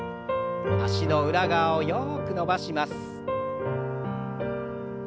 脚の裏側をよく伸ばします。